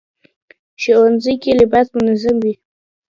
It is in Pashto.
ښوونځی کې لباس منظم وي